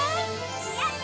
やった！